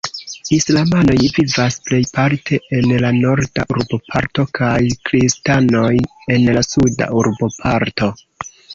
Islamanoj vivas plejparte en la norda urboparto kaj kristanoj en la suda urboparto.